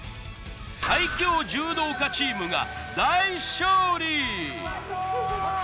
最強柔道家チームが大勝利。